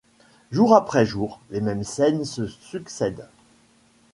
Jour après jour, les mêmes scènes se succèdent.